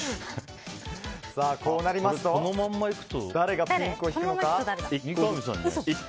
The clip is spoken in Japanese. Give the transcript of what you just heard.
こうなりますと誰がピンクを引くのか。